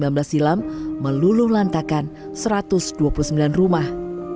dua ribu sembilan belas silam meluluh lantakan satu ratus dua puluh sembilan rumah